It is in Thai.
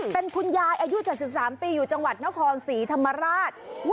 เป็นคุณยายอายุ๗๓ปีอยู่จังหวัดนครศรีธรรมราช